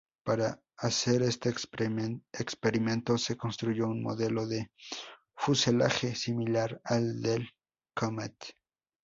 Para hacer este experimento, se construyó un modelo de fuselaje similar al del Comet.